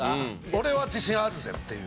俺は自信あるぜっていう。